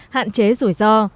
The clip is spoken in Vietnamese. hạn chế rủi ro